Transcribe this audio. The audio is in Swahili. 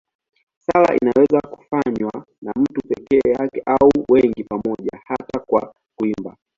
Sala inaweza kufanywa na mtu peke yake au na wengi pamoja, hata kwa kuimba.